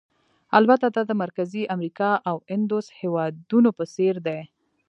البته دا د مرکزي امریکا او اندوس هېوادونو په څېر دي.